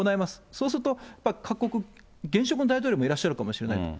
そうすると、各国、現職の大統領もいらっしゃるかもしれない。